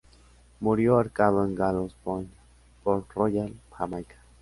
Murió ahorcado en Gallows Point, Port Royal, Jamaica.